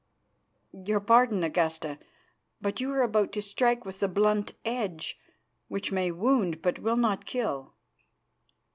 "Your pardon, Augusta, but you are about to strike with the blunt edge, which may wound but will not kill."